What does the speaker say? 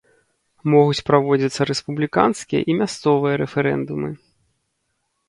Могуць праводзіцца рэспубліканскія і мясцовыя рэферэндумы.